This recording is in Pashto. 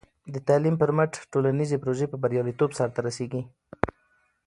د تعلیم پر مټ، ټولنیزې پروژې په بریالیتوب سرته رسېږي.